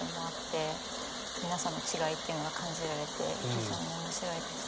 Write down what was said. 皆さんの違いっていうのが感じられて非常に面白いです。